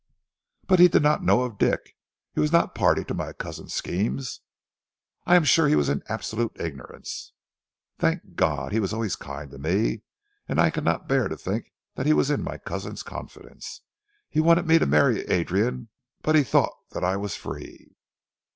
"But he did not know of Dick. He was not party to my cousin's schemes " "I am sure he was in absolute ignorance." "Thank God! He was always kind to me, and I could not bear to think that he was in my cousin's confidence. He wanted me to marry Adrian, but he thought that I was free."